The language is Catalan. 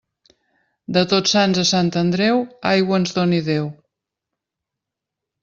De Tots Sants a Sant Andreu, aigua ens doni Déu.